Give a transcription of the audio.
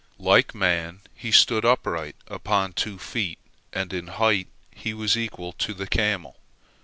Like man he stood upright upon two feet, and in height he was equal to the camel.